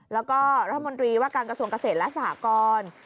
แล้วก็รัฐมนตรีว่าการกระทรวงเกษตรและสหกร